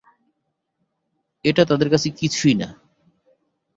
এটা তাদের কাছে কিছুই না।